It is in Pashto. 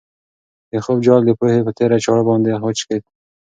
د خوب جال د پوهې په تېره چاړه باندې وشکېد.